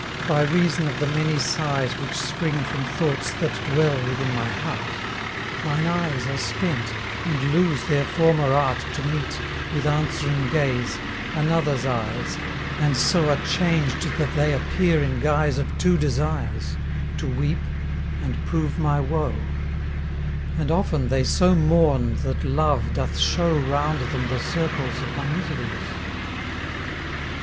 by reason of the many sighs. Which spring from thoughts that dwell within my heart, Mine eyes are spent, and lose their former art To meet, with answering gaze, another's eyes, And so are changed that they appear in guise * Of two desires, to weep and prove my woe ; And often they so mourn that Love doth show Round them the circles of my miseries.